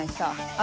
あ！